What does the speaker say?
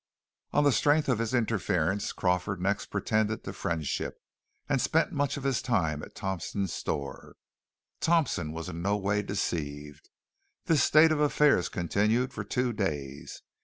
On the strength of his interference Crawford next pretended to friendship, and spent much of his time at Thompson's store. Thompson was in no way deceived. This state of affairs continued for two days.